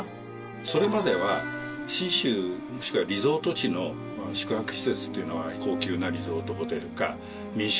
それまでは信州リゾート地の宿泊施設っていうのは高級なリゾートホテルか民宿。